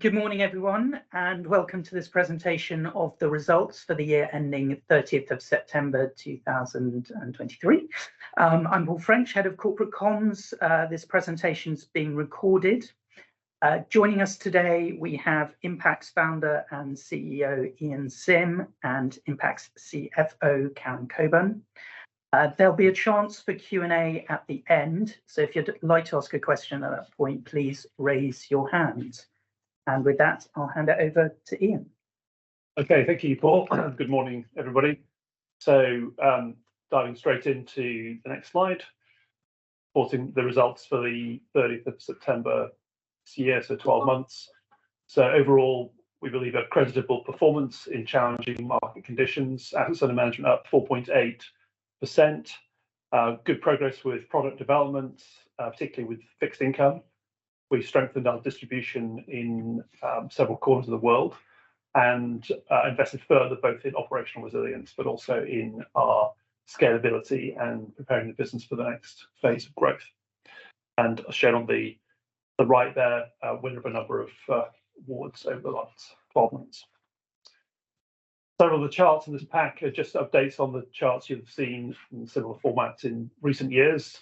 Good morning, everyone, and welcome to this presentation of the results for the year ending 30th of September, 2023. I'm Paul French, Head of Corporate Communications. This presentation is being recorded. Joining us today, we have Impax's Founder and CEO, Ian Simm, and Impax's CFO, Karen Cockburn. There'll be a chance for Q&A at the end, so if you'd like to ask a question at that point, please raise your hand. With that, I'll hand it over to Ian. Okay. Thank you, Paul. Good morning, everybody. So, diving straight into the next slide, reporting the results for the 30th of September this year, so 12 months. So overall, we believe a creditable performance in challenging market conditions. Assets under management up 4.8%. Good progress with product development, particularly with fixed income. We strengthened our distribution in several corners of the world and invested further, both in operational resilience but also in our scalability and preparing the business for the next phase of growth. And as shown on the right there, a winner of a number of awards over the last 12 months. Several of the charts in this pack are just updates on the charts you've seen in similar formats in recent years,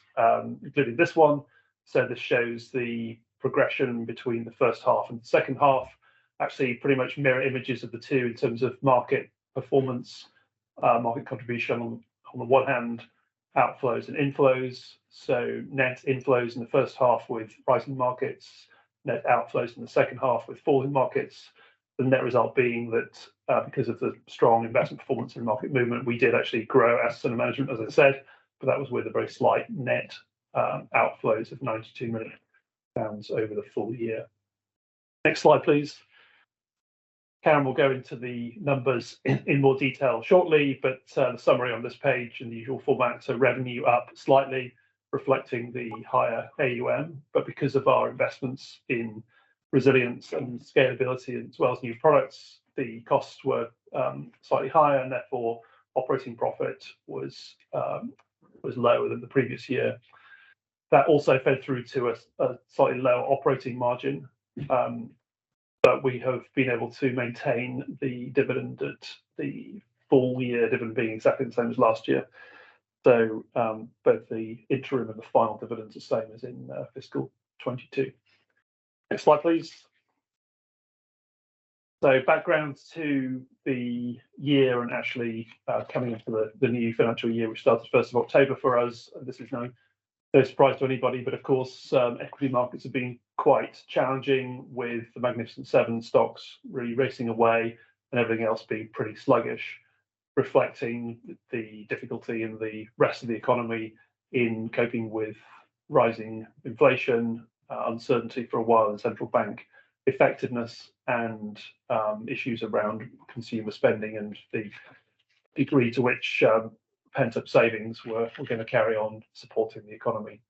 including this one. This shows the progression between the first half and the second half. Actually, pretty much mirror images of the two in terms of market performance, market contribution on the one hand, outflows and inflows. Net inflows in the first half with rising markets, net outflows in the second half with falling markets. The net result being that, because of the strong investment performance in market movement, we did actually grow assets under management, as I said, but that was with a very slight net outflows of 92 million pounds over the full year. Next slide, please. Karen will go into the numbers in more detail shortly, but the summary on this page in the usual format, revenue up slightly, reflecting the higher AUM. But because of our investments in resilience and scalability, as well as new products, the costs were slightly higher, and therefore, operating profit was lower than the previous year. That also fed through to a slightly lower operating margin, but we have been able to maintain the dividend at the full year dividend being exactly the same as last year. So, both the interim and the final dividend are the same as in fiscal 2022. Next slide, please. So background to the year and actually, coming into the new financial year, which starts the first of October for us, this is no surprise to anybody, but of course, equity markets have been quite challenging, with the Magnificent 7 stocks really racing away and everything else being pretty sluggish, reflecting the difficulty in the rest of the economy in coping with rising inflation, uncertainty for a while, and central bank effectiveness and issues around consumer spending and the degree to which pent-up savings were gonna carry on supporting the economy.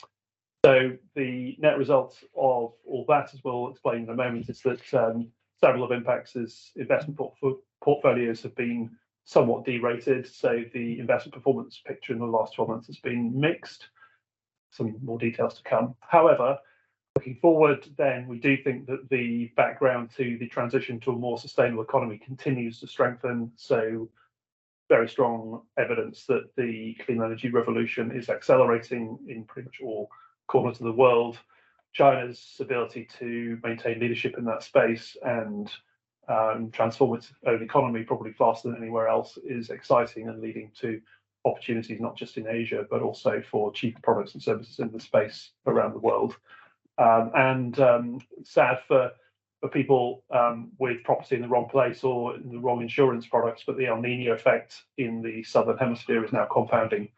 So the net result of all that, as we'll explain in a moment, is that several of Impax's investment portfolios have been somewhat derated. So the investment performance picture in the last 12 months has been mixed. Some more details to come. However, looking forward then, we do think that the background to the transition to a more sustainable economy continues to strengthen. So very strong evidence that the clean energy revolution is accelerating in pretty much all corners of the world. China's ability to maintain leadership in that space and transform its own economy, probably faster than anywhere else, is exciting and leading to opportunities not just in Asia, but also for cheaper products and services in the space around the world. And sad for people with property in the wrong place or in the wrong insurance products, but the El Niño effect in the Southern Hemisphere is now compounding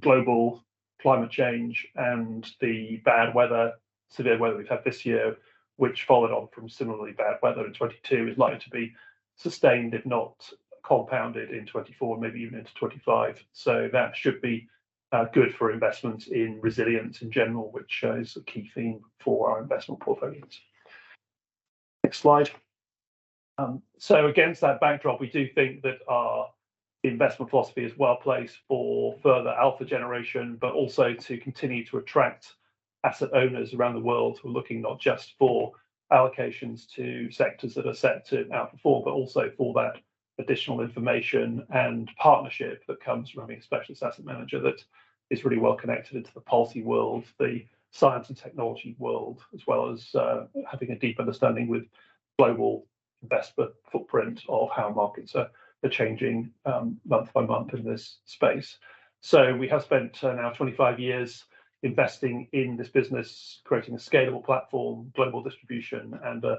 global climate change and the bad weather, severe weather we've had this year, which followed on from similarly bad weather in 2022, is likely to be sustained, if not compounded, in 2024, maybe even into 2025. So that should be good for investments in resilience in general, which is a key theme for our investment portfolios. Next slide. So against that backdrop, we do think that our investment philosophy is well-placed for further alpha generation, but also to continue to attract asset owners around the world who are looking not just for allocations to sectors that are set to outperform, but also for that additional information and partnership that comes from a specialist asset manager that is really well connected into the policy world, the science and technology world, as well as having a deep understanding with global investment footprint of how markets are changing month by month in this space. So we have spent now 25 years investing in this business, creating a scalable platform, global distribution, and a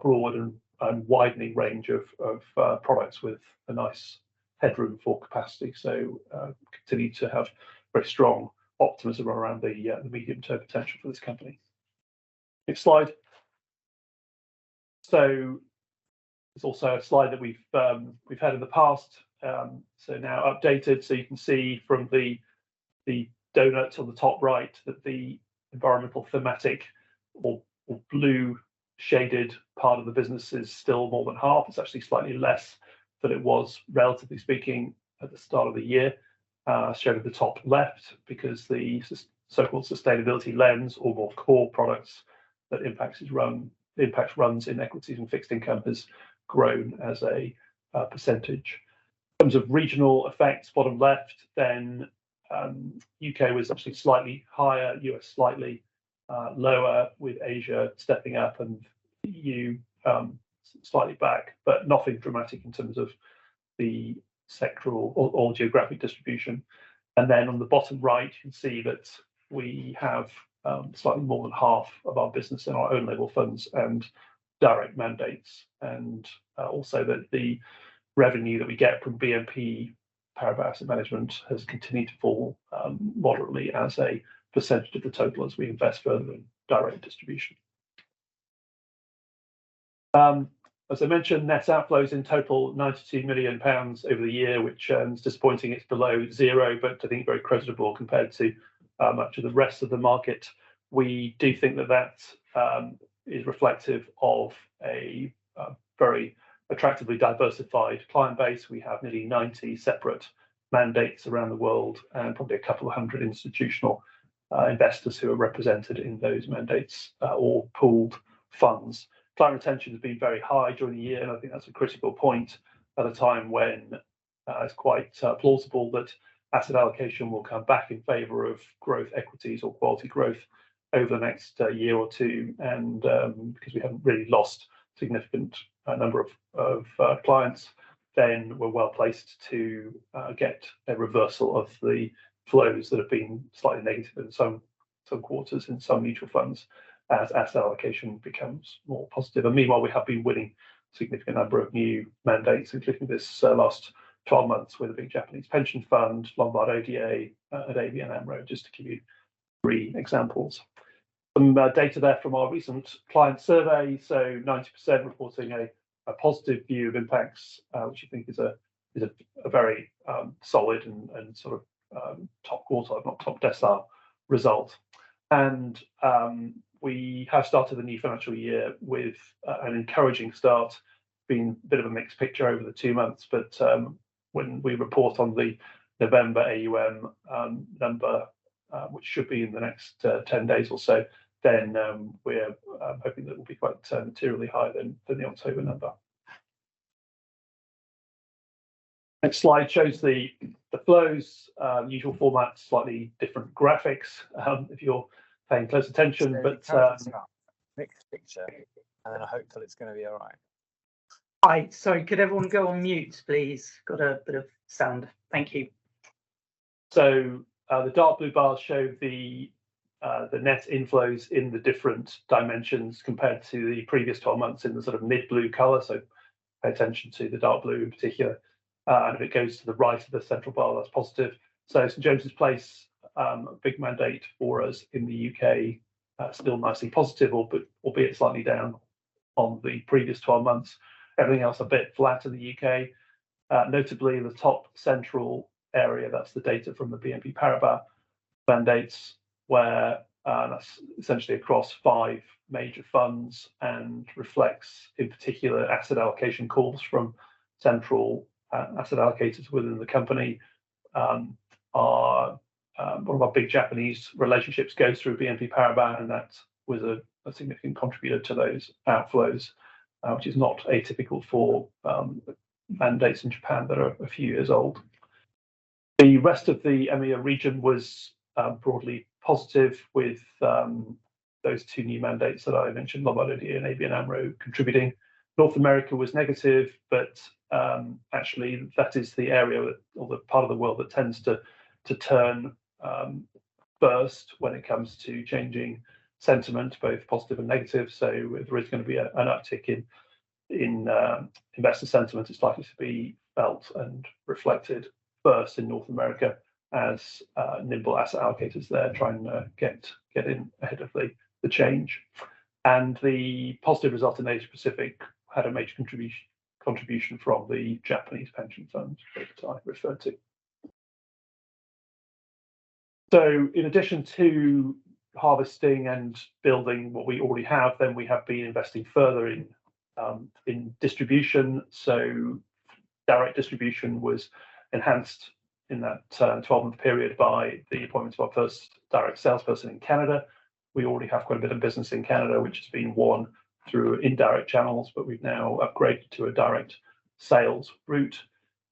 broad and widening range of products with a nice headroom for capacity. So, continue to have very strong optimism around the medium-term potential for this company. Next slide. So there's also a slide that we've had in the past, so now updated. So you can see from the donut on the top right, that the environmental, thematic, or blue-shaded part of the business is still more than half. It's actually slightly less than it was, relatively speaking, at the start of the year, shown at the top left, because the so-called Sustainability Lens or more core products that Impax has run, Impax runs in equities and fixed income has grown as a percentage. In terms of regional effects, bottom left, then U.K. was actually slightly higher, U.S. slightly lower, with Asia stepping up and EU slightly back, but nothing dramatic in terms of the sectoral or geographic distribution. Then on the bottom right, you can see that we have slightly more than half of our business in our own label funds and direct mandates, and also that the revenue that we get from BNP Paribas Asset Management has continued to fall moderately as a percentage of the total as we invest further in direct distribution. As I mentioned, net outflows in total, 92 million pounds over the year, which is disappointing. It's below zero, but I think very creditable compared to much of the rest of the market. We do think that that is reflective of a very attractively diversified client base. We have nearly 90 separate mandates around the world, and probably a couple of 100 institutional investors who are represented in those mandates or pooled funds. Client retention has been very high during the year, and I think that's a critical point at a time when it's quite plausible that asset allocation will come back in favor of growth equities or quality growth over the next year or two. And because we haven't really lost a significant number of clients, then we're well placed to get a reversal of the flows that have been slightly negative in some quarters in some mutual funds as asset allocation becomes more positive. Meanwhile, we have been winning a significant number of new mandates, including this last 12 months with a big Japanese pension fund, Lombard Odier, and ABN AMRO, just to give you three examples. Some data there from our recent client survey, so 90% reporting a positive view of Impax, which I think is a very solid and sort of top quartile, if not top decile result. We have started the new financial year with an encouraging start, being a bit of a mixed picture over the two months. But when we report on the November AUM number, which should be in the next 10 days or so, then we're hoping that it will be quite materially higher than the October number. Next slide shows the flows, usual format, slightly different graphics, if you're paying close attention, but.... mixed picture, and then I hope that it's gonna be all right. Hi. Sorry, could everyone go on mute, please? Got a bit of sound. Thank you. So, the dark blue bars show the net inflows in the different dimensions compared to the previous 12 months in the sort of mid-blue color, so pay attention to the dark blue in particular. And if it goes to the right of the central bar, that's positive. So St. James's Place, a big mandate for us in the U.K., still nicely positive, albeit slightly down on the previous 12 months. Everything else a bit flat in the U.K. Notably the top central area, that's the data from the BNP Paribas mandates, where that's essentially across five major funds and reflects, in particular, asset allocation calls from central asset allocators within the company. Our one of our big Japanese relationships goes through BNP Paribas, and that was a significant contributor to those outflows, which is not atypical for mandates in Japan that are a few years old. The rest of the EMEA region was broadly positive with those two new mandates that I mentioned, Lombard Odier and ABN AMRO, contributing. North America was negative, but actually, that is the area or the part of the world that tends to turn first when it comes to changing sentiment, both positive and negative. So if there is gonna be an uptick in investor sentiment, it's likely to be felt and reflected first in North America as nimble asset allocators there try and get in ahead of the change. The positive result in Asia Pacific had a major contribution from the Japanese pension funds that I referred to. So in addition to harvesting and building what we already have, then we have been investing further in distribution. So direct distribution was enhanced in that 12-month period by the appointment of our first direct salesperson in Canada. We already have quite a bit of business in Canada, which has been won through indirect channels, but we've now upgraded to a direct sales route.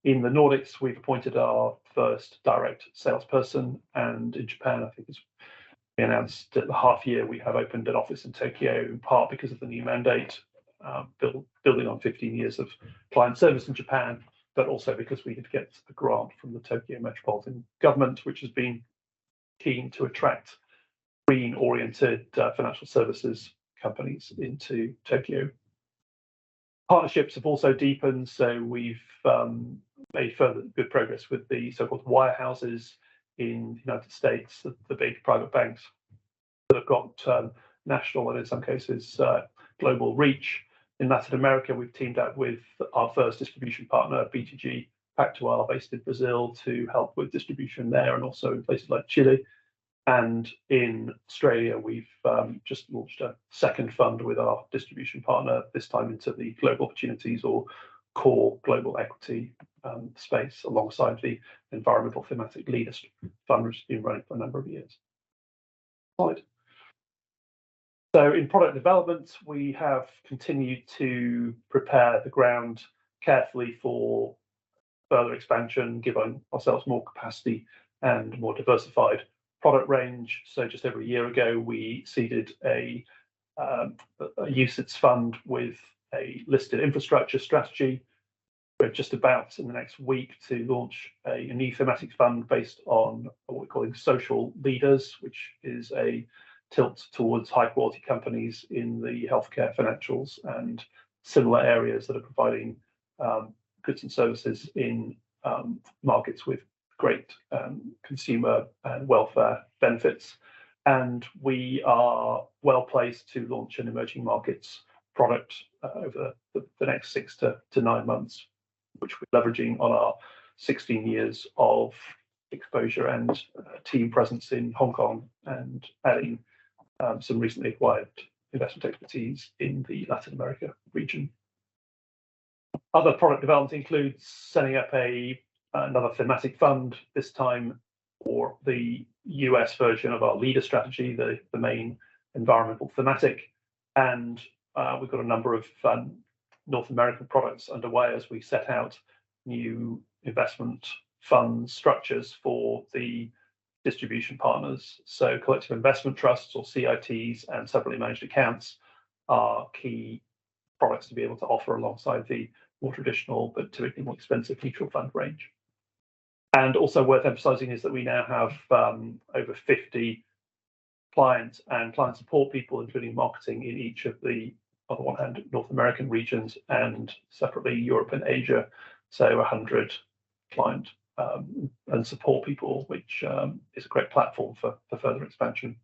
In the Nordics, we've appointed our first direct salesperson, and in Japan, I think it's been announced at the half year, we have opened an office in Tokyo, in part because of the new mandate, building on 15 years of client service in Japan, but also because we could get a grant from the Tokyo Metropolitan Government, which has been keen to attract green-oriented financial services companies into Tokyo. Partnerships have also deepened, so we've made further good progress with the so-called wirehouses in the United States, the big private banks that have got national and in some cases global reach. In Latin America, we've teamed up with our first distribution partner, BTG Pactual, based in Brazil, to help with distribution there and also in places like Chile. In Australia, we've just launched a second fund with our distribution partner, this time into the Global Opportunities or core global equity space, alongside the environmental thematic leaders fund, which has been running for a number of years. Slide. In product development, we have continued to prepare the ground carefully for further expansion, giving ourselves more capacity and more diversified product range. Just over a year ago, we seeded a UCITS fund with a listed infrastructure strategy. We're just about, in the next week, to launch a new thematic fund based on what we're calling Social Leaders, which is a tilt towards high-quality companies in the healthcare financials and similar areas that are providing goods and services in markets with great consumer and welfare benefits. We are well-placed to launch an emerging markets product over the next six to nine months, which we're leveraging on our 16 years of exposure and team presence in Hong Kong and adding some recently acquired investment expertise in the Latin America region. Other product development includes setting up another thematic fund, this time for the U.S. version of our Leaders Strategy, the main environmental thematic. We've got a number of North American products underway as we set out new investment fund structures for the distribution partners. Collective investment trusts, or CITs, and separately managed accounts are key products to be able to offer alongside the more traditional, but typically more expensive, mutual fund range. Also worth emphasizing is that we now have over 50 clients and client support people, including marketing, in each of the, on the one hand, North American regions and separately, Europe and Asia, so 100 client and support people, which is a great platform for further expansion.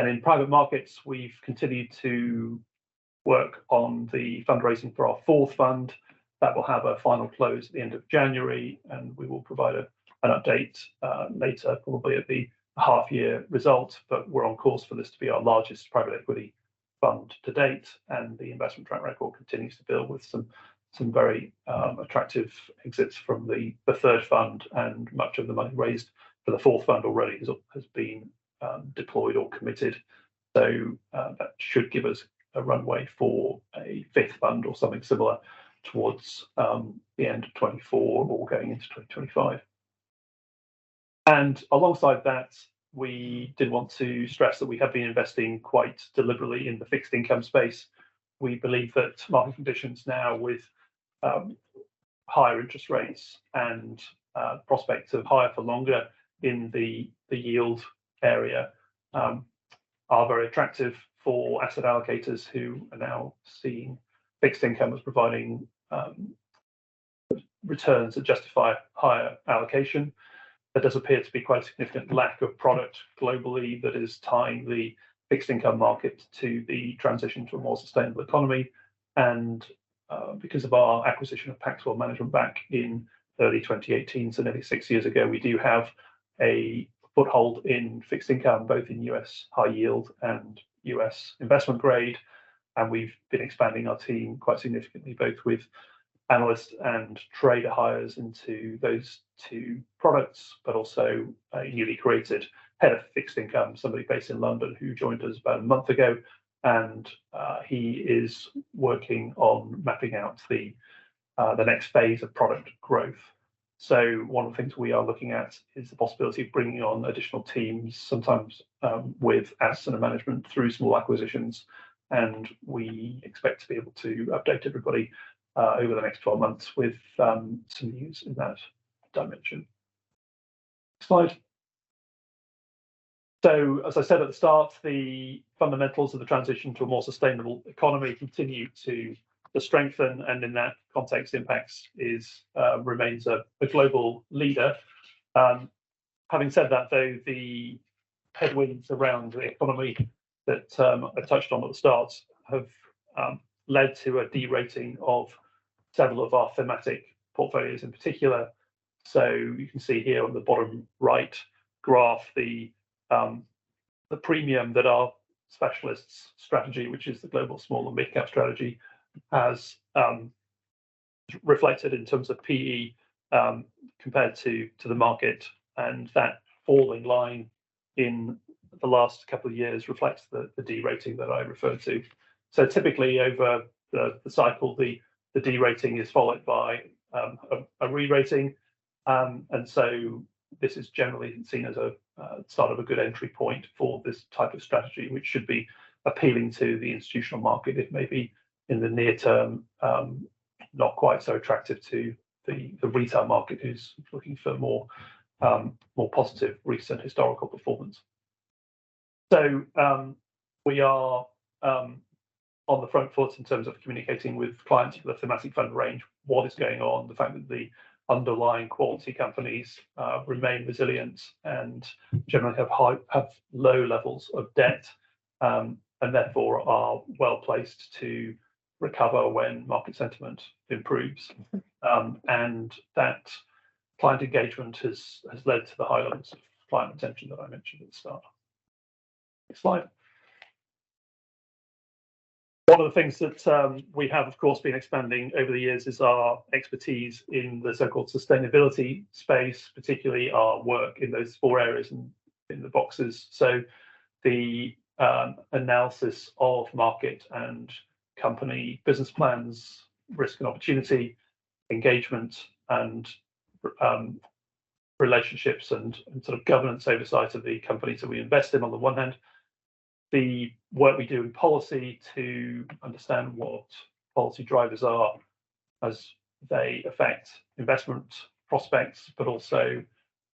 And in private markets, we've continued to work on the fundraising for our fourth fund. That will have a final close at the end of January, and we will provide an update later, probably at the half year result, but we're on course for this to be our largest private equity fund to date, and the investment track record continues to build with some very attractive exits from the third fund, and much of the money raised for the fourth fund already has been deployed or committed. That should give us a runway for a fifth fund or something similar towards the end of 2024 or going into 2025. Alongside that, we did want to stress that we have been investing quite deliberately in the Fixed Income space. We believe that market conditions now with higher interest rates and prospects of higher for longer in the yield area are very attractive for asset allocators who are now seeing Fixed Income as providing returns that justify higher allocation. There does appear to be quite a significant lack of product globally that is tying the Fixed Income market to the transition to a more sustainable economy. Because of our acquisition of Pax World Management back in early 2018, so nearly six years ago, we do have a foothold in fixed income, both in U.S. high yield and U.S. investment grade. We've been expanding our team quite significantly, both with analyst and trader hires into those two products, but also a newly created Head of Fixed Income, somebody based in London, who joined us about a month ago, and he is working on mapping out the next phase of product growth. One of the things we are looking at is the possibility of bringing on additional teams, sometimes with asset and management through small acquisitions, and we expect to be able to update everybody over the next 12 months with some news in that dimension. Next slide. So, as I said at the start, the fundamentals of the transition to a more sustainable economy continue to strengthen, and in that context, Impax remains a global leader. Having said that, though, the headwinds around the economy that I touched on at the start have led to a de-rating of several of our thematic portfolios in particular. So you can see here on the bottom right graph, the premium that our Specialists Strategy, which is the global small and mid-cap strategy, has reflected in terms of P/E, compared to the market, and that falling line in the last couple of years reflects the de-rating that I referred to. So typically, over the cycle, the de-rating is followed by a re-rating. And so this is generally seen as a start of a good entry point for this type of strategy, which should be appealing to the institutional market. It may be, in the near term, not quite so attractive to the retail market, who's looking for more positive recent historical performance. We are on the front foot in terms of communicating with clients with the thematic fund range, what is going on, the fact that the underlying quality companies remain resilient and generally have low levels of debt, and therefore are well-placed to recover when market sentiment improves. And that client engagement has led to the high levels of client retention that I mentioned at the start. Next slide. One of the things that we have, of course, been expanding over the years is our expertise in the so-called sustainability space, particularly our work in those four areas and in the boxes. So the analysis of market and company business plans, risk and opportunity, engagement and relationships and sort of governance oversight of the companies that we invest in, on the one hand. The work we do in policy to understand what policy drivers are as they affect investment prospects, but also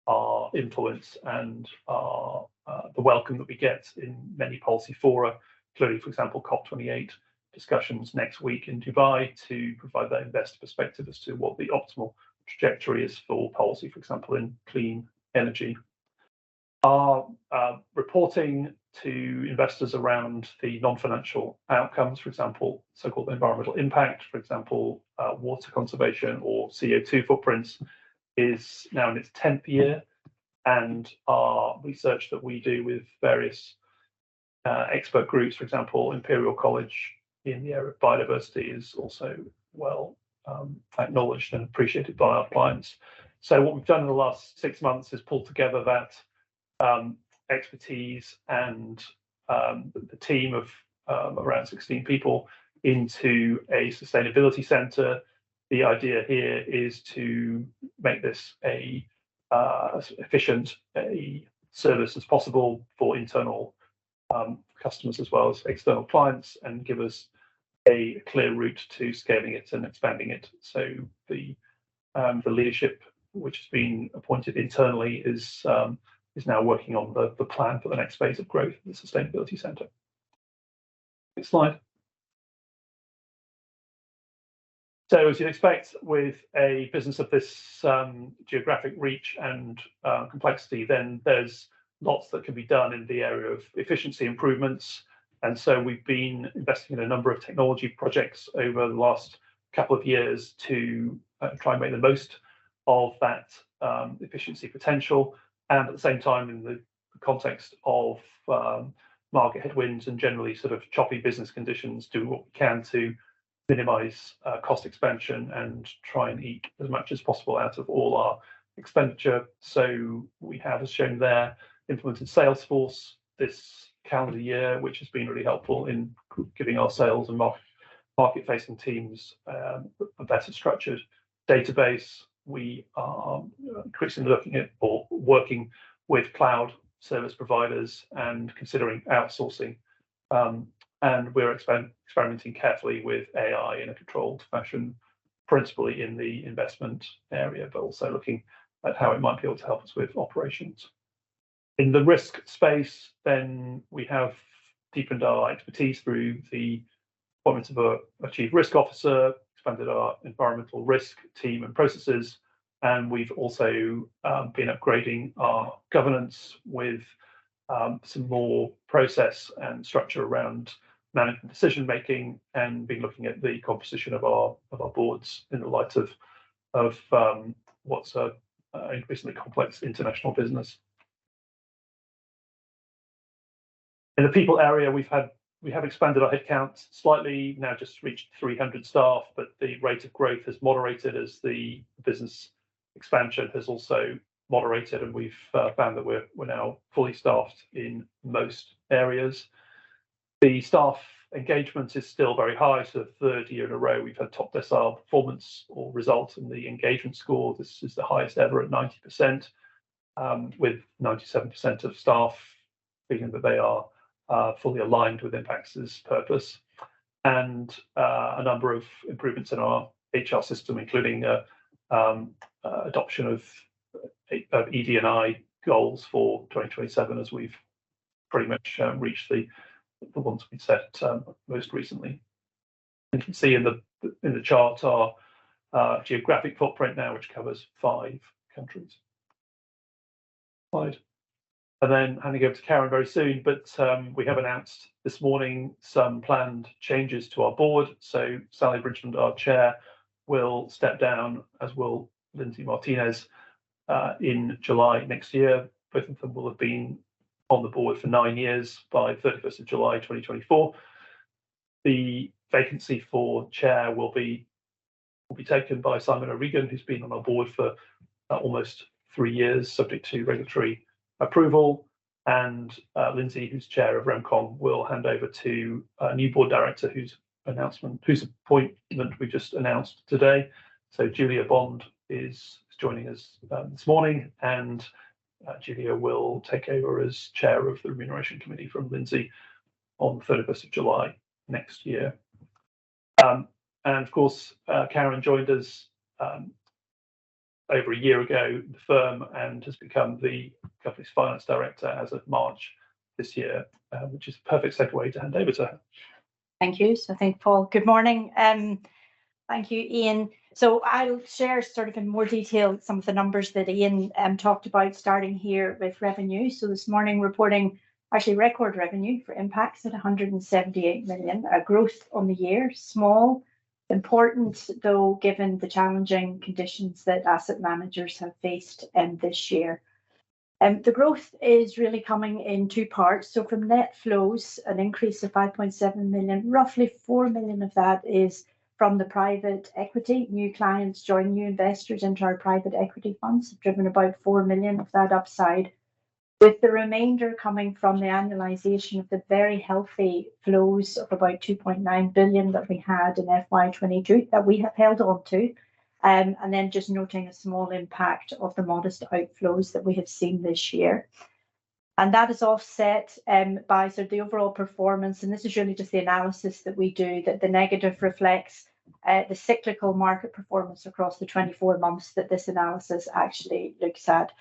our influence and our the welcome that we get in many policy fora, including, for example, COP28 discussions next week in Dubai, to provide that investor perspective as to what the optimal trajectory is for policy, for example, in clean energy. Our reporting to investors around the non-financial outcomes, for example, so-called environmental impact, for example, water conservation or CO2 footprints, is now in its tenth year. And our research that we do with various expert groups, for example, Imperial College in the area of biodiversity, is also well acknowledged and appreciated by our clients. So what we've done in the last six months is pulled together that expertise and the team of around 16 people into a sustainability center. The idea here is to make this a as efficient a service as possible for internal customers as well as external clients, and give us a clear route to scaling it and expanding it. So the leadership, which has been appointed internally, is now working on the plan for the next phase of growth in the sustainability center. Next slide. So as you'd expect with a business of this geographic reach and complexity, then there's lots that can be done in the area of efficiency improvements. And so we've been investing in a number of technology projects over the last couple of years to try and make the most of that efficiency potential. And at the same time, in the context of market headwinds and generally sort of choppy business conditions, do what we can to minimize cost expansion and try and eke as much as possible out of all our expenditure. So we have, as shown there, implemented Salesforce this calendar year, which has been really helpful in giving our sales and market-facing teams a better structured database. We are increasingly looking at or working with cloud service providers and considering outsourcing, and we're experimenting carefully with AI in a controlled fashion, principally in the investment area, but also looking at how it might be able to help us with operations. In the risk space, then we have deepened our expertise through the appointment of a chief risk officer, expanded our environmental risk team and processes, and we've also been upgrading our governance with some more process and structure around management decision making, and been looking at the composition of our boards in the light of what's increasingly complex international business. In the people area we've had, we have expanded our headcount slightly, now just reached 300 staff, but the rate of growth has moderated as the business expansion has also moderated, and we've found that we're now fully staffed in most areas. The staff engagement is still very high, so third year in a row, we've had top decile performance or results in the engagement score. This is the highest ever at 90%, with 97% of staff feeling that they are fully aligned with Impax's purpose. A number of improvements in our HR system, including adoption of ED&I goals for 2027, as we've pretty much reached the ones we'd set most recently. You can see in the chart our geographic footprint now, which covers five countries. Slide. Then handing over to Karen very soon, but we have announced this morning some planned changes to our board. So Sally Bridgeland, our Chair, will step down, as will Lindsey Brace Martinez in July next year. Both of them will have been on the board for nine years by 31st of July 2024. The vacancy for Chair will be taken by Simon O'Regan, who's been on our board for almost three years, subject to regulatory approval. And Lindsey, who's Chair of RemCo, will hand over to a new board director, whose appointment we just announced today. So Julia Bond is joining us this morning, and Julia will take over as Chair of the Remuneration Committee from Lindsey on 31st of July next year. Of course, Karen joined us over a year ago, the firm, and has become the company's Finance Director as of March this year, which is a perfect segue to hand over to her. Thank you. So thank you, Paul. Good morning, thank you, Ian. So I'll share sort of in more detail some of the numbers that Ian talked about, starting here with revenue. So this morning, reporting actually record revenue for Impax at 178 million, a growth on the year. Small, important, though, given the challenging conditions that asset managers have faced this year. The growth is really coming in two parts. So from net flows, an increase of 5.7 million, roughly 4 million of that is from the private equity. New clients joining, new investors into our private equity funds have driven about 4 million of that upside, with the remainder coming from the annualization of the very healthy flows of about 2.9 billion that we had in FY 2022 that we have held on to. Then just noting a small impact of the modest outflows that we have seen this year. That is offset by sort of the overall performance, and this is really just the analysis that we do, that the negative reflects the cyclical market performance across the 24 months that this analysis actually looks at.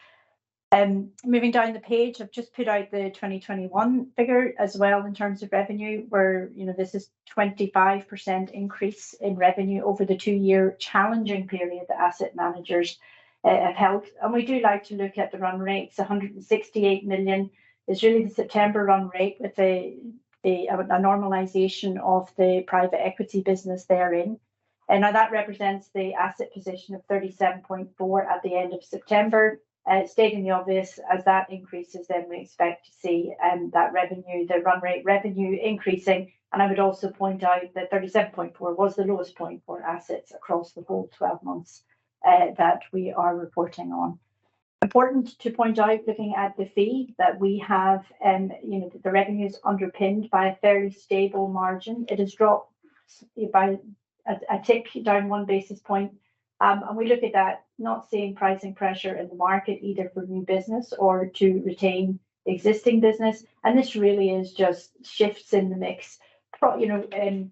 Moving down the page, I've just put out the 2021 figure as well in terms of revenue, where, you know, this is 25% increase in revenue over the two-year challenging period the asset managers have held. And we do like to look at the run rates, 168 million. It's really the September run rate with the normalization of the private equity business therein. And now that represents the asset position of 37.4 billion at the end of September. Stating the obvious, as that increases, then we expect to see that revenue, the run rate revenue increasing. I would also point out that 37.4 was the lowest point for assets across the whole 12 months that we are reporting on. Important to point out, looking at the fee, that we have, you know, the revenue is underpinned by a very stable margin. It has dropped by a tick down 1 basis point. And we look at that, not seeing pricing pressure in the market, either for new business or to retain existing business, and this really is just shifts in the mix. You know,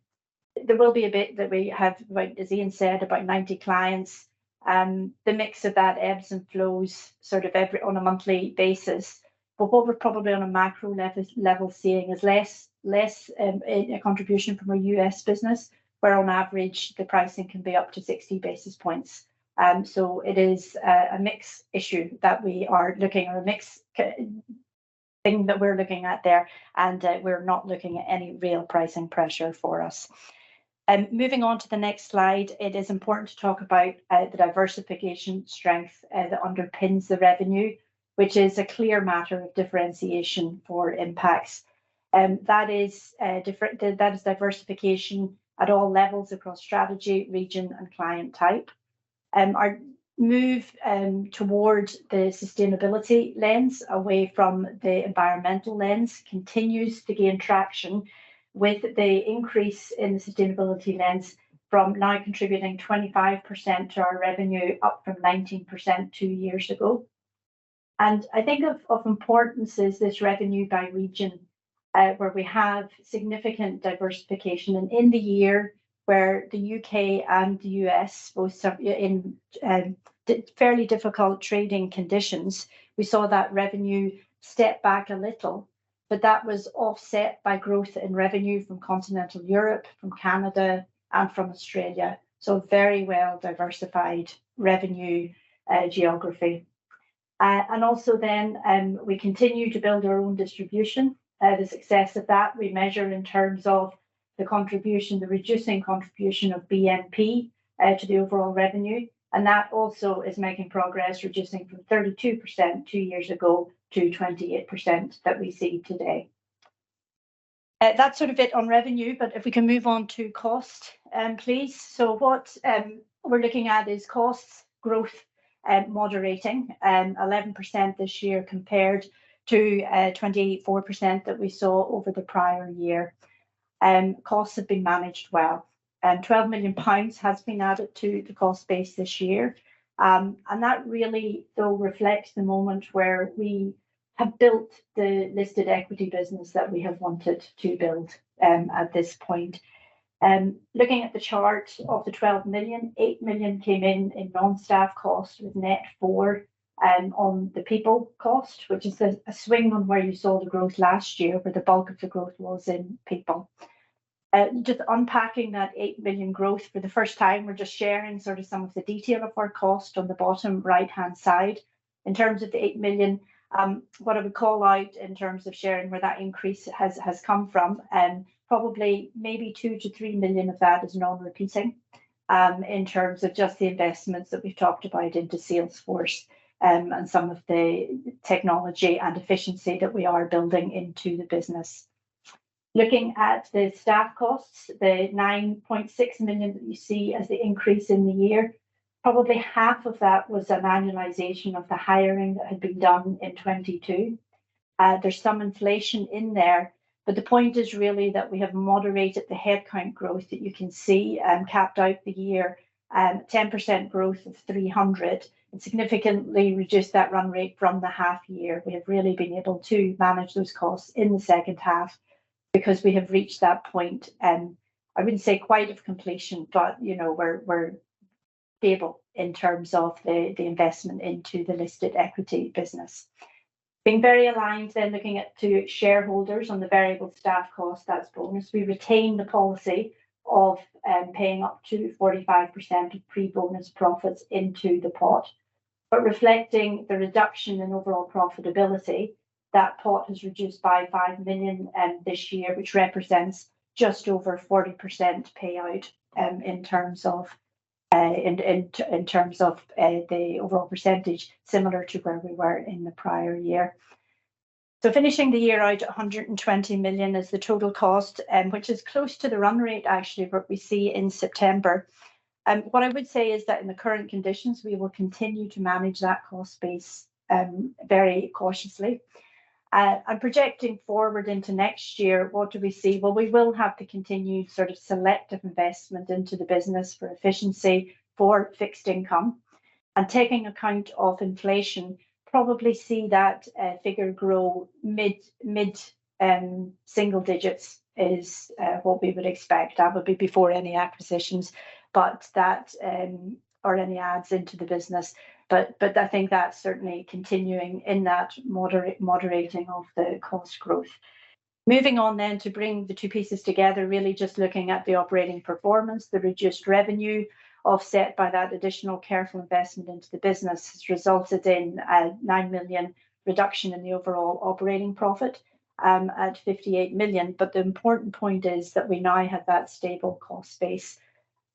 there will be a bit that we have, like as Ian said, about 90 clients, the mix of that ebbs and flows sort of every on a monthly basis. But what we're probably on a macro level seeing is less, a contribution from our U.S. business, where on average the pricing can be up to 60 basis points. So it is a mix issue that we are looking or a mix thing that we're looking at there, and we're not looking at any real pricing pressure for us. Moving on to the next slide, it is important to talk about the diversification strength that underpins the revenue, which is a clear matter of differentiation for Impax. That is diversification at all levels across strategy, region, and client type. Our move towards The Sustainability Lens, away from the environmental lens, continues to gain traction with the increase in The Sustainability Lens from now contributing 25% to our revenue, up from 19% two years ago. I think of importance is this revenue by region, where we have significant diversification. In the year where the U.K. and the U.S., both, in fairly difficult trading conditions, we saw that revenue step back a little, but that was offset by growth in revenue from continental Europe, from Canada, and from Australia. Very well-diversified revenue geography. Also then, we continue to build our own distribution. The success of that we measure in terms of the contribution, the reducing contribution of BNP to the overall revenue, and that also is making progress, reducing from 32% two years ago to 28% that we see today. That's sort of it on revenue, but if we can move on to cost, please. So what we're looking at is costs growth moderating 11% this year compared to 24% that we saw over the prior year. Costs have been managed well, and 12 million pounds has been added to the cost base this year. And that really, though, reflects the moment where we have built the listed equity business that we have wanted to build at this point. Looking at the chart, of the 12 million, 8 million came in in non-staff costs, with net 4 million on the people cost, which is a swing on where you saw the growth last year, where the bulk of the growth was in people. Just unpacking that 8 million growth for the first time, we're just sharing sort of some of the detail of our cost on the bottom right-hand side. In terms of the 8 million, what I would call out in terms of sharing where that increase has come from, probably maybe 2 million-3 million of that is non-repeating, in terms of just the investments that we've talked about into Salesforce, and some of the technology and efficiency that we are building into the business. Looking at the staff costs, the 9.6 million that you see as the increase in the year, probably half of that was an annualization of the hiring that had been done in 2022. There's some inflation in there, but the point is really that we have moderated the headcount growth that you can see and capped out the year, 10% growth of 300, and significantly reduced that run rate from the half year. We have really been able to manage those costs in the second half because we have reached that point, I wouldn't say quite of completion, but, you know, we're, we're stable in terms of the, the investment into the listed equity business. Being very aligned then, looking at to shareholders on the variable staff cost, that's bonus. We retain the policy of paying up to 45% of pre-bonus profits into the pot. But reflecting the reduction in overall profitability, that pot has reduced by 5 million this year, which represents just over 40% payout in terms of the overall percentage, similar to where we were in the prior year. So finishing the year out, 120 million is the total cost, which is close to the run rate, actually, what we see in September. What I would say is that in the current conditions, we will continue to manage that cost base very cautiously. And projecting forward into next year, what do we see? Well, we will have to continue sort of selective investment into the business for efficiency, for Fixed Income, and taking account of inflation, probably see that figure grow mid-single digits is what we would expect. That would be before any acquisitions, but that, or any adds into the business. But I think that's certainly continuing in that moderating of the cost growth. Moving on then to bring the two pieces together, really just looking at the operating performance, the reduced revenue, offset by that additional careful investment into the business, has resulted in a 9 million reduction in the overall operating profit, at 58 million. But the important point is that we now have that stable cost base.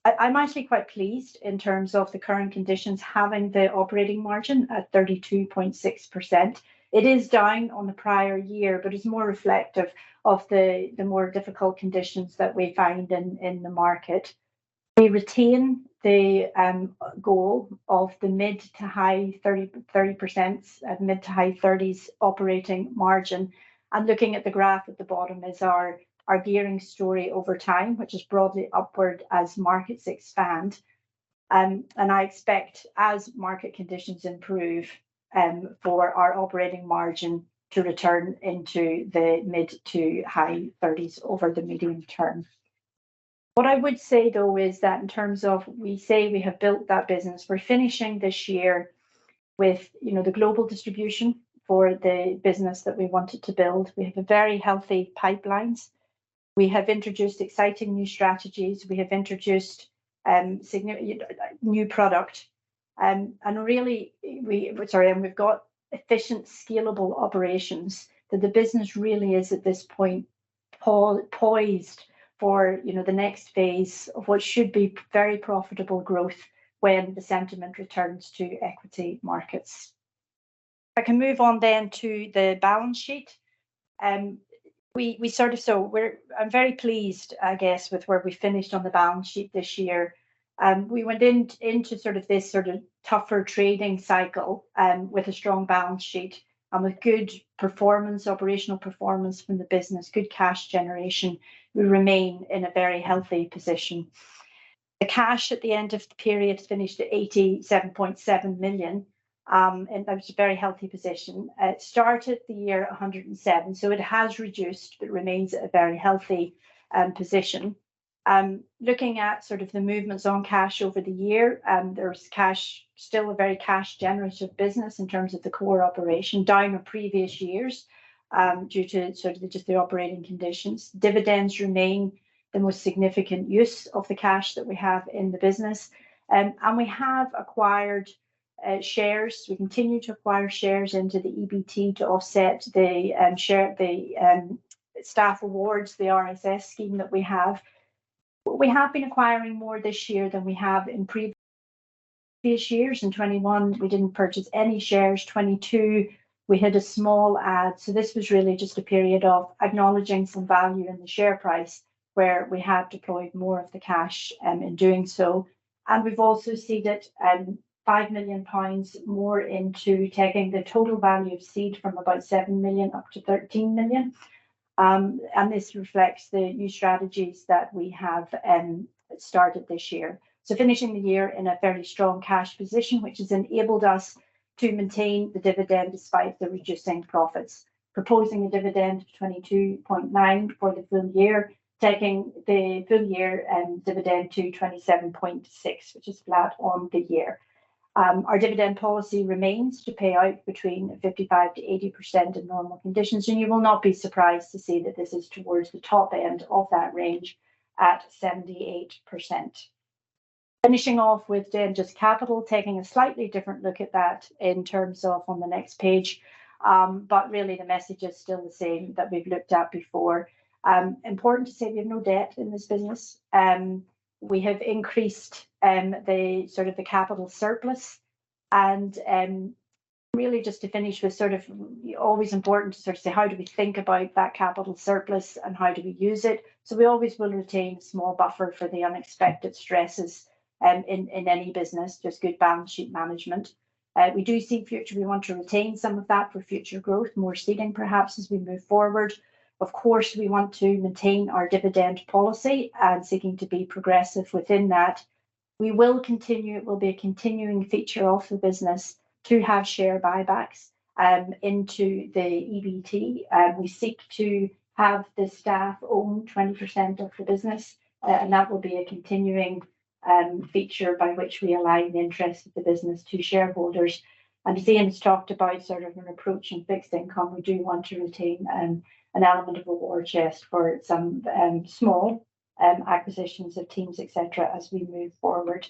I'm actually quite pleased in terms of the current conditions, having the operating margin at 32.6%. It is down on the prior year, but it's more reflective of the more difficult conditions that we find in the market. We retain the goal of the mid to high 30, 30%, mid to high 30s operating margin. Looking at the graph at the bottom is our gearing story over time, which is broadly upward as markets expand. I expect as market conditions improve, for our operating margin to return into the mid to high 30s over the medium term. What I would say, though, is that in terms of we say we have built that business, we're finishing this year with, you know, the global distribution for the business that we wanted to build. We have a very healthy pipelines. We have introduced exciting new strategies. We have introduced new product. And really, we... Sorry, and we've got efficient, scalable operations, that the business really is, at this point, poised for, you know, the next phase of what should be very profitable growth when the sentiment returns to equity markets. I can move on then to the balance sheet. So I'm very pleased, I guess, with where we finished on the balance sheet this year. We went into this sort of tougher trading cycle, with a strong balance sheet and with good performance, operational performance from the business, good cash generation. We remain in a very healthy position. The cash at the end of the period finished at 87.7 million, and that was a very healthy position. It started the year at 107 million, so it has reduced, but remains at a very healthy position. Looking at sort of the movements on cash over the year, there's cash, still a very cash-generative business in terms of the core operation, down on previous years, due to sort of just the operating conditions. Dividends remain the most significant use of the cash that we have in the business. And we have acquired shares. We continue to acquire shares into the EBT to offset the share, the staff awards, the RSS scheme that we have. We have been acquiring more this year than we have in previous years. In 2021, we didn't purchase any shares. 2022, we had a small add. So this was really just a period of acknowledging some value in the share price, where we have deployed more of the cash, in doing so. We've also seeded 5 million pounds more into taking the total value of seed from about 7 million up to 13 million. And this reflects the new strategies that we have started this year. So finishing the year in a fairly strong cash position, which has enabled us to maintain the dividend despite the reducing profits. Proposing a dividend of 22.9 for the full year, taking the full year dividend to 27.6, which is flat on the year. Our dividend policy remains to pay out between 55%-80% in normal conditions, and you will not be surprised to see that this is towards the top end of that range at 78%. Finishing off with then just capital, taking a slightly different look at that in terms of on the next page, but really, the message is still the same that we've looked at before. Important to say we have no debt in this business. We have increased the sort of capital surplus, and really just to finish with sort of, always important to sort of say: How do we think about that capital surplus, and how do we use it? So we always will retain a small buffer for the unexpected stresses in any business, just good balance sheet management. We do see future. We want to retain some of that for future growth, more seeding, perhaps, as we move forward. Of course, we want to maintain our dividend policy and seeking to be progressive within that. We will continue; it will be a continuing feature of the business to have share buybacks into the EBT. We seek to have the staff own 20% of the business, and that will be a continuing feature by which we align the interest of the business to shareholders. And Ian's talked about sort of an approach in fixed income. We do want to retain an element of a war chest for some small acquisitions of teams, et cetera, as we move forward.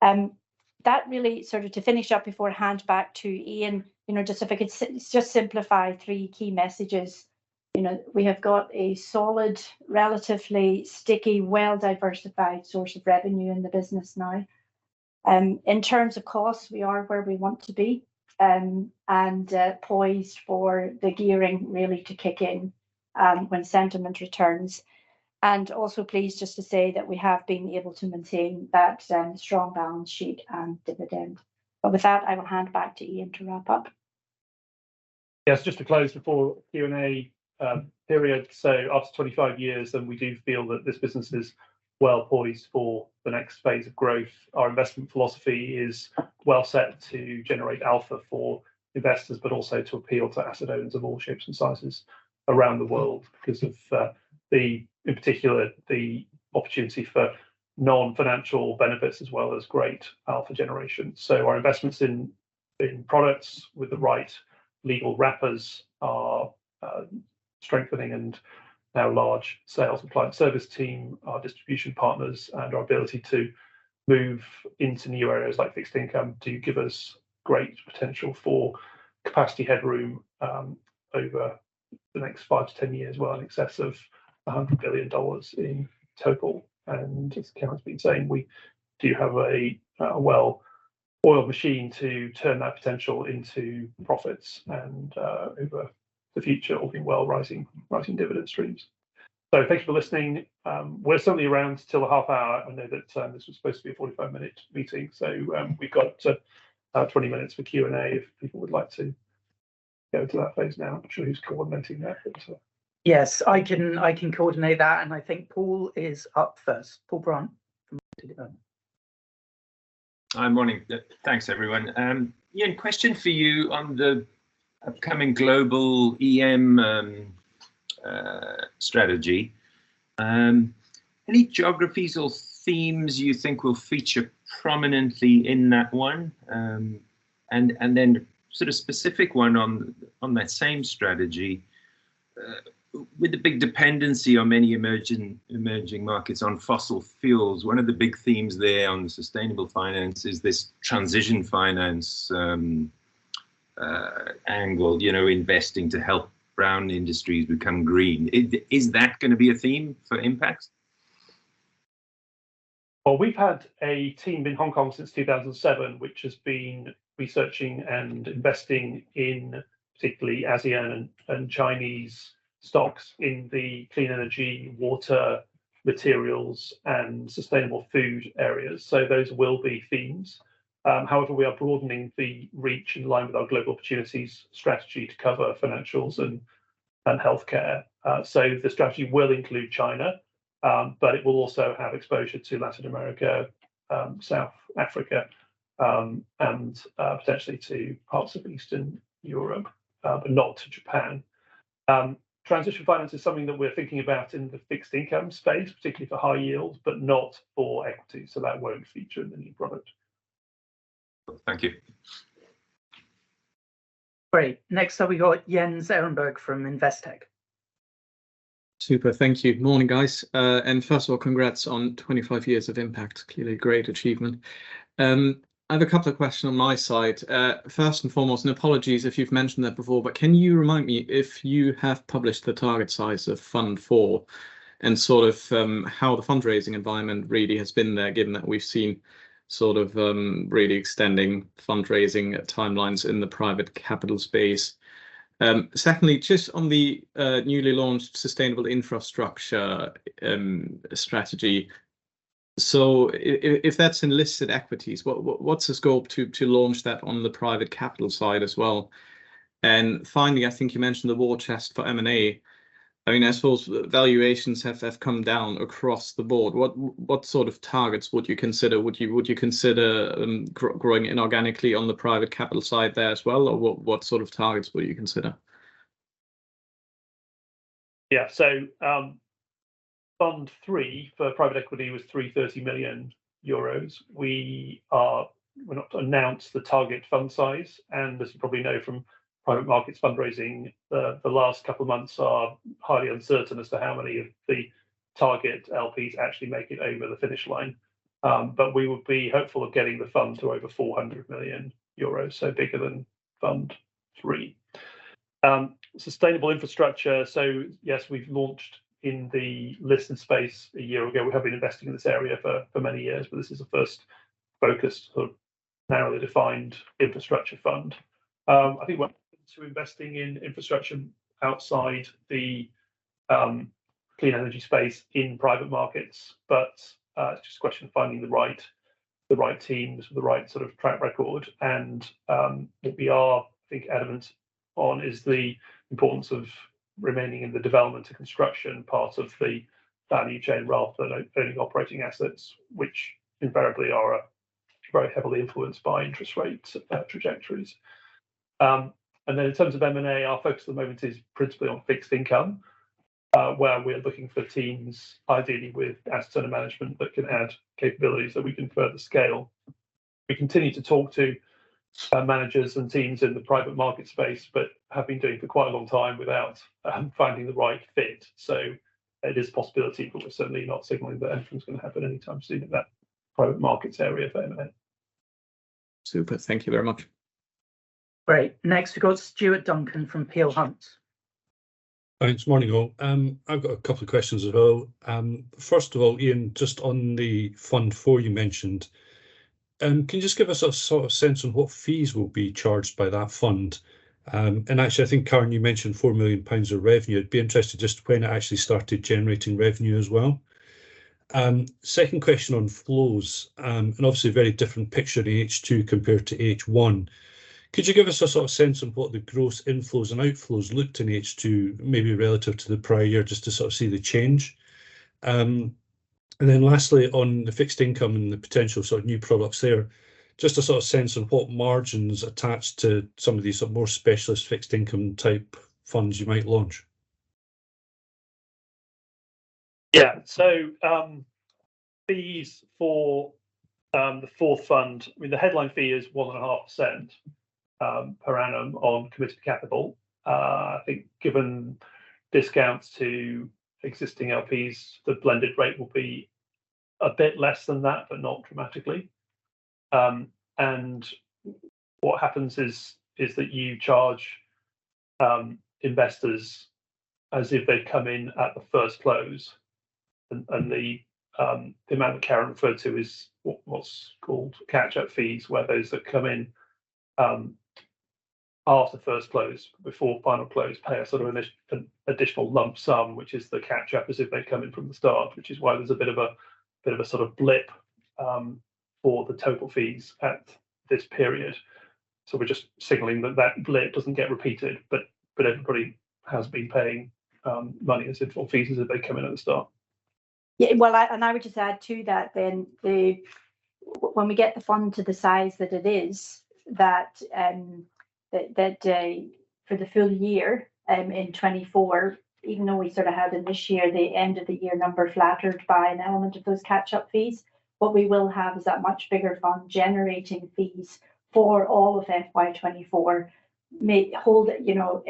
That really, sort of, to finish up before I hand back to Ian, you know, just if I could just simplify three key messages. You know, we have got a solid, relatively sticky, well-diversified source of revenue in the business now. In terms of costs, we are where we want to be, and poised for the gearing really to kick in, when sentiment returns. And also pleased just to say that we have been able to maintain that, strong balance sheet and dividend. But with that, I will hand back to Ian to wrap up. Yes, just to close before Q&A. So after 25 years, and we do feel that this business is well poised for the next phase of growth. Our investment philosophy is well set to generate alpha for investors, but also to appeal to asset owners of all shapes and sizes around the world, because of, in particular, the opportunity for non-financial benefits as well as great alpha generation. So our investments in products with the right legal wrappers are strengthening and our large sales and client service team, our distribution partners, and our ability to move into new areas like fixed income, do give us great potential for capacity headroom, over the next five to 10 years. Well, in excess of $100 billion in total. As Karen's been saying, we do have a well-oiled machine to turn that potential into profits and over the future, all being well, rising, rising dividend streams. Thank you for listening. We're certainly around till the half hour. I know that this was supposed to be a 45-minute meeting, so we've got 20 minutes for Q&A, if people would like to go to that phase now. I'm not sure who's coordinating that, but- Yes, I can, I can coordinate that, and I think Paul is up first. Paul Brown from Citibank. Hi, morning. Thanks, everyone. Ian, question for you on the upcoming global EM strategy. Any geographies or themes you think will feature prominently in that one? And then sort of specific one on that same strategy, with the big dependency on many emerging markets on fossil fuels, one of the big themes there on sustainable finance is this transition finance angle, you know, investing to help brown industries become green. Is that gonna be a theme for Impax? Well, we've had a team in Hong Kong since 2007, which has been researching and investing in particularly ASEAN and Chinese stocks in the clean energy, water, materials, and sustainable food areas. So those will be themes. However, we are broadening the reach in line with our Global Opportunities strategy to cover financials and healthcare. So the strategy will include China, but it will also have exposure to Latin America, South Africa, and potentially to parts of Eastern Europe, but not to Japan. Transition finance is something that we're thinking about in the fixed income space, particularly for high yield, but not for equity, so that won't feature in the new product. Thank you. Great. Next up, we've got Jens Scherenberg from Investec. Super, thank you. Morning, guys. First of all, congrats on 25 years of Impax. Clearly, a great achievement. I have a couple of questions on my side. First and foremost, and apologies if you've mentioned that before, but can you remind me if you have published the target size of Fund Four, and sort of how the fundraising environment really has been there, given that we've seen sort of really extending fundraising timelines in the private capital space? Secondly, just on the newly launched Sustainable Infrastructure strategy. So if, if that's in listed equities, what's the scope to launch that on the private capital side as well? And finally, I think you mentioned the war chest for M&A. I mean, as those valuations have come down across the board, what sort of targets would you consider? Would you consider growing inorganically on the private capital side there as well, or what sort of targets would you consider? Yeah, so, Fund Three for private equity was 330 million euros. We're not to announce the target fund size, and as you probably know from private markets, fundraising, the last couple of months are highly uncertain as to how many of the target LPs actually make it over the finish line. But we would be hopeful of getting the fund to over 400 million euros, so bigger than Fund Three. Sustainable infrastructure, so yes, we've launched in the listed space a year ago. We have been investing in this area for many years, but this is the first focused, sort of, narrowly defined infrastructure fund. I think we're open to investing in infrastructure outside the clean energy space in private markets, but it's just a question of finding the right teams with the right sort of track record. What we are adamant on is the importance of remaining in the development and construction part of the value chain, rather than owning operating assets, which invariably are very heavily influenced by interest rates trajectories. And then in terms of M&A, our focus at the moment is principally on fixed income, where we're looking for teams, ideally with asset under management, that can add capabilities that we can further scale. We continue to talk to managers and teams in the private market space, but have been doing for quite a long time without finding the right fit. It is a possibility, but we're certainly not signaling that anything's going to happen anytime soon in that private markets area for M&A. Super. Thank you very much. Great. Next, we've got Stuart Duncan from Peel Hunt. Thanks. Morning, all. I've got a couple of questions as well. First of all, Ian, just on the fund four you mentioned, can you just give us a sort of sense on what fees will be charged by that fund? And actually, I think, Karen, you mentioned 4 million pounds of revenue. I'd be interested just when it actually started generating revenue as well. Second question on flows, and obviously a very different picture in H2 compared to H1. Could you give us a sort of sense of what the gross inflows and outflows looked in H2, maybe relative to the prior year, just to sort of see the change? And then lastly, on the fixed income and the potential sort of new products there, just a sort of sense of what margins attached to some of these more specialist fixed income type funds you might launch? Yeah. So, fees for the fourth fund, I mean, the headline fee is 1.5% per annum on committed capital. I think given discounts to existing LPs, the blended rate will be a bit less than that, but not dramatically. And what happens is that you charge investors as if they'd come in at the first close, and the amount that Karen referred to is what's called catch-up fees, where those that come in after first close, before final close, pay a sort of additional lump sum, which is the catch-up as if they'd come in from the start, which is why there's a bit of a sort of blip for the total fees at this period. We're just signaling that that blip doesn't get repeated, but everybody has been paying money as if all fees as if they'd come in at the start. Yeah, well, and I would just add to that then, the... When we get the fund to the size that it is, for the full year, in 2024, even though we sort of had in this year, the end of the year number flattered by an element of those catch-up fees, what we will have is that much bigger fund generating fees for all of FY 2024, may hold, you know,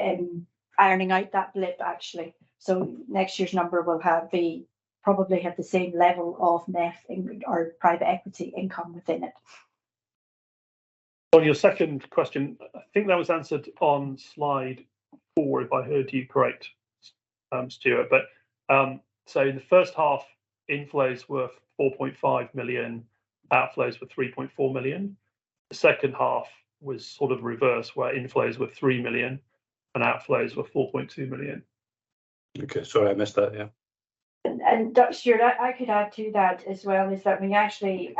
ironing out that blip, actually. So next year's number will probably have the same level of NEF income or private equity income within it. On your second question, I think that was answered on slide four, if I heard you correct, Stuart. But, so in the first half, inflows were 4.5 million, outflows were 3.4 million. The second half was sort of reverse, where inflows were 3 million and outflows were 4.2 million. Okay, sorry, I missed that. Yeah. Stuart, I could add to that as well, is that when you actually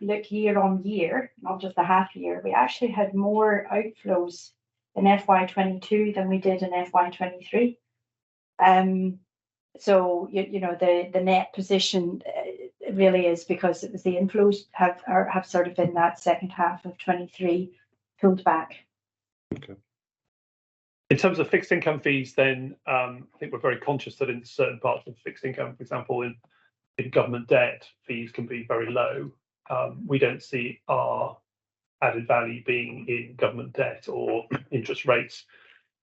look year-on-year, not just the half-year, we actually had more outflows in FY 2022 than we did in FY 2023. So you know, the net position really is because it was the inflows have sort of in that second half of 2023 pulled back. Okay. In terms of fixed income fees, then, I think we're very conscious that in certain parts of fixed income, for example, in government debt, fees can be very low. We don't see our added value being in government debt or interest rates,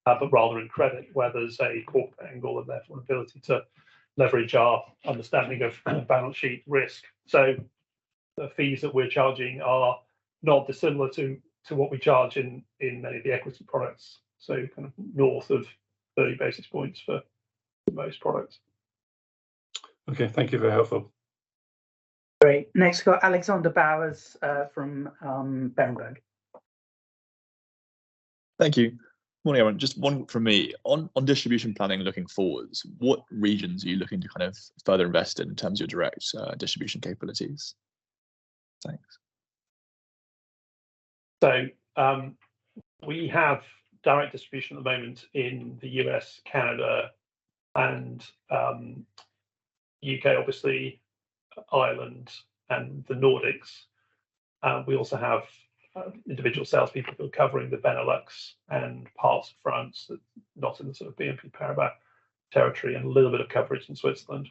but rather in credit, where there's a corporate angle and therefore an ability to leverage our understanding of balance sheet risk. So the fees that we're charging are not dissimilar to what we charge in many of the equity products. So kind of north of 30 basis points for most products. Okay, thank you. Very helpful. Great. Next, we've got Alexander Bowers from Berenberg. Thank you. Morning, everyone. Just one from me. On distribution planning looking forward, what regions are you looking to kind of further invest in in terms of your direct distribution capabilities? Thanks. So, we have direct distribution at the moment in the U.S., Canada, and U.K., obviously, Ireland, and the Nordics. We also have individual salespeople who are covering the Benelux and parts of France that not in the sort of BNP Paribas territory, and a little bit of coverage in Switzerland.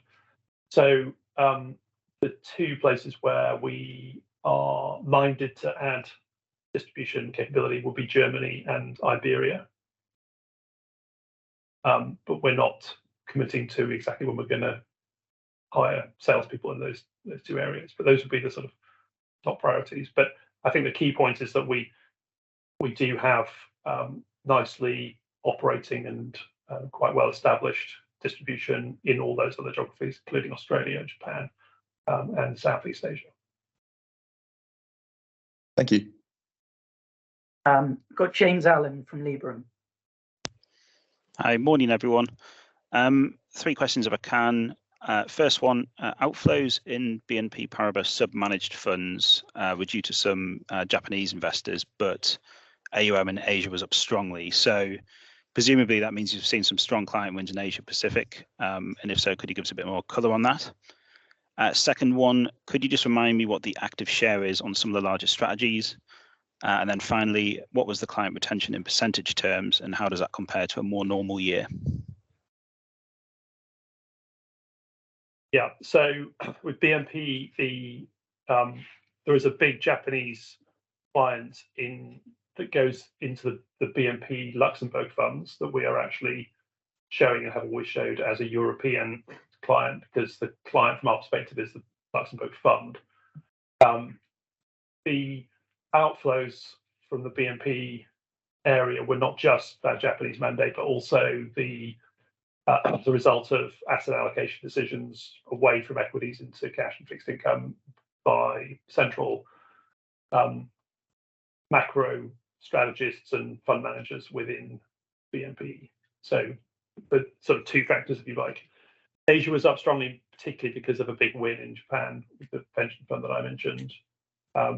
So, the two places where we are minded to add distribution capability will be Germany and Iberia. But we're not committing to exactly when we're gonna hire salespeople in those two areas, but those would be the sort of top priorities. But I think the key point is that we do have nicely operating and quite well-established distribution in all those other geographies, including Australia, Japan, and Southeast Asia. Thank you. Got James Allen from Liberum. Hi, morning, everyone. Three questions if I can. First one, outflows in BNP Paribas submanaged funds were due to some Japanese investors, but AUM in Asia was up strongly. So presumably, that means you've seen some strong client wins in Asia Pacific. And if so, could you give us a bit more color on that? Second one, could you just remind me what the Active Share is on some of the larger strategies? And then finally, what was the client retention in percentage terms, and how does that compare to a more normal year?... Yeah, so with BNP, there is a big Japanese client that goes into the BNP Luxembourg funds that we are actually showing and have always showed as a European client, because the client, from our perspective, is the Luxembourg Fund. The outflows from the BNP area were not just that Japanese mandate, but also the result of asset allocation decisions away from equities into cash and fixed income by central macro strategists and fund managers within BNP. So, the sort of two factors, if you like. Asia was up strongly, particularly because of a big win in Japan, with the pension fund that I mentioned.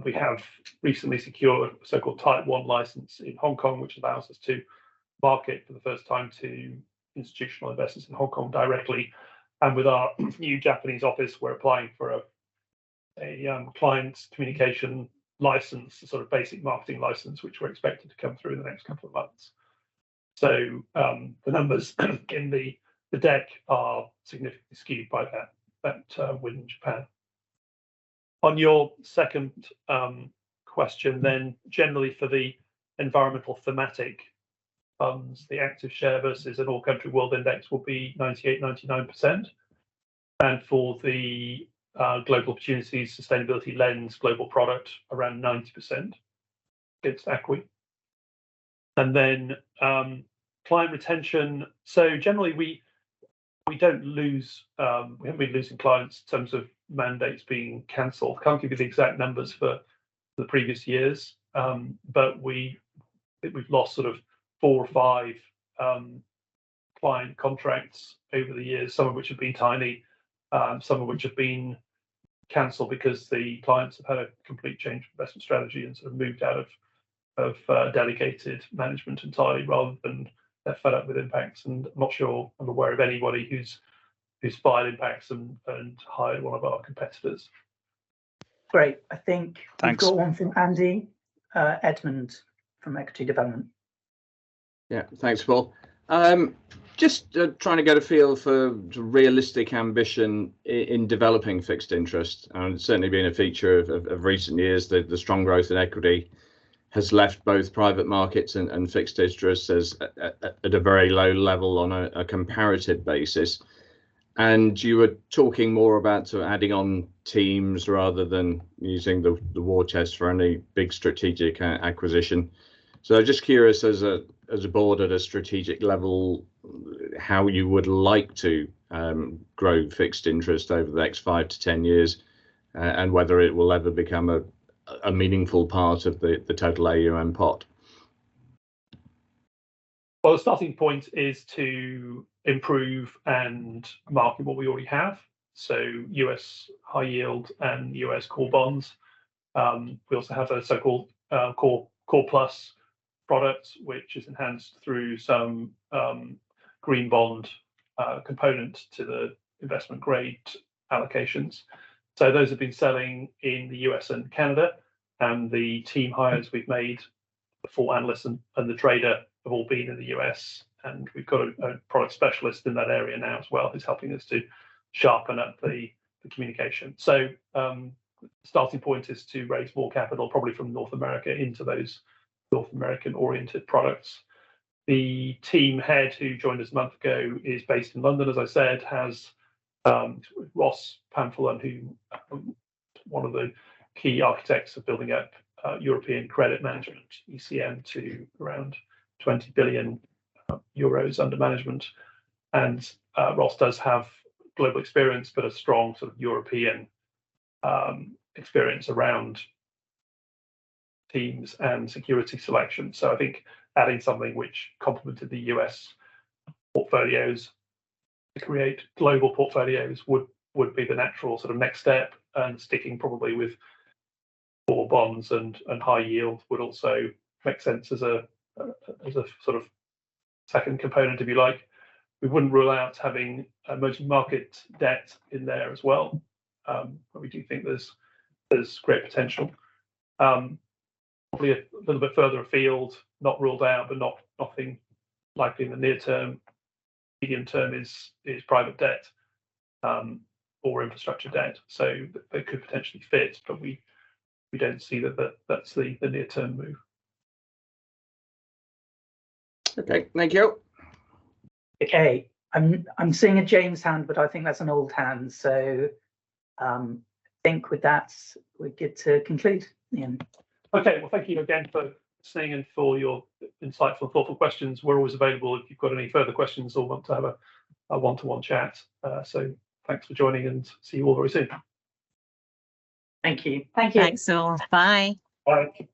We have recently secured a so-called Type 1 license in Hong Kong, which allows us to market for the first time to institutional investors in Hong Kong directly. And with our new Japanese office, we're applying for a client communication license, a sort of basic marketing license, which we're expecting to come through in the next couple of months. So, the numbers in the deck are significantly skewed by that win in Japan. On your second question, then, generally for the environmental thematic funds, the active share versus an all-country world index will be 98%-99%. And for the Global Opportunities Sustainability lens global product, around 90%. It's equity. And then, client retention, so generally we, we don't lose, we haven't been losing clients in terms of mandates being canceled. Can't give you the exact numbers for the previous years. But we, I think we've lost sort of four or five client contracts over the years, some of which have been tiny, some of which have been canceled because the clients have had a complete change of investment strategy and sort of moved out of dedicated management entirely, rather than they're fed up with Impax and I'm not sure I'm aware of anybody who's fired Impax and hired one of our competitors. Great. I think- Thanks. We've got one from Andy Edmond from Equity Development. Yeah. Thanks, Paul. Just trying to get a feel for the realistic ambition in developing fixed income, and it's certainly been a feature of recent years, the strong growth in equity has left both private markets and fixed income as at a very low level on a comparative basis. And you were talking more about sort of adding on teams rather than using the war chest for any big strategic acquisition. So just curious, as a board at a strategic level, how you would like to grow fixed income over the next five to 10 years, and whether it will ever become a meaningful part of the total AUM pot? Well, the starting point is to improve and market what we already have, so U.S. high yield and U.S. core bonds. We also have a so-called core plus product, which is enhanced through some green bond component to the investment grade allocations. So those have been selling in the U.S. and Canada, and the team hires we've made, the full analyst and the trader, have all been in the U.S., and we've got a product specialist in that area now as well, who's helping us to sharpen up the communication. So, starting point is to raise more capital, probably from North America, into those North American-oriented products. The team head, who joined us a month ago, is based in London, as I said, has Ross Pamplin, who one of the key architects of building up European Credit Management, ECM, to around 20 billion euros under management. And Ross does have global experience, but a strong sort of European experience around teams and security selection. So I think adding something which complemented the US portfolios to create global portfolios would, would be the natural sort of next step, and sticking probably with core bonds and, and High Yield would also make sense as a, as a sort of second component, if you like. We wouldn't rule out having emerging market debt in there as well. But we do think there's, there's great potential. Probably a little bit further afield, not ruled out, but nothing likely in the near term. Medium term is private debt, or infrastructure debt, so they could potentially fit, but we don't see that that's the near term move. Okay. Thank you. Okay. I'm seeing a James hand, but I think that's an old hand, so I think with that, we're good to conclude. Yeah. Okay. Well, thank you again for staying and for your insightful, thoughtful questions. We're always available if you've got any further questions or want to have a one-to-one chat. So thanks for joining, and see you all very soon. Thank you. Thank you. Thanks, all. Bye. Bye.